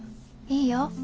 いいよ。